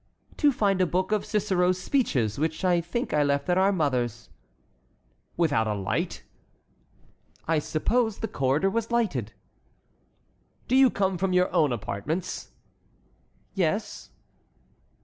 "To find a book of Cicero's speeches, which I think I left at our mother's." "Without a light?" "I supposed the corridor was lighted." "Do you come from your own apartments?" "Yes."